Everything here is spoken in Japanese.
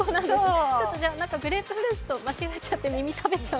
グレープフルーツと間違えちゃって耳食べちゃう？